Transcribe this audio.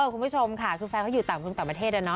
คุณผู้ชมค่ะคือแฟนเขาอยู่ต่างประเทศแล้วเนอะ